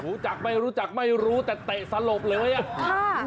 รู้จักไม่รู้จักไม่รู้แต่เตะสลบเลยอ่ะค่ะ